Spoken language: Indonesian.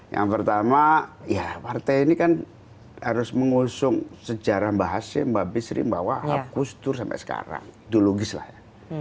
yang pertama ya partai ini kan harus mengusung sejarah bahasnya mbak bisri membawa akustur sampai sekarang itu logis lah ya